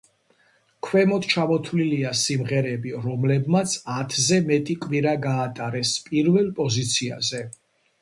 ქვემოთ ჩამოთვლილია სიმღერები, რომლებმაც ათზე მეტი კვირა გაატარეს პირველ პოზიციაზე.